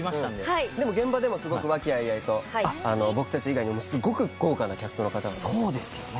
はいでも現場でもすごく和気あいあいと僕達以外にもすっごく豪華なキャストの方々がそうですよね